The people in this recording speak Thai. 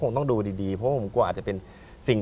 ที่แดง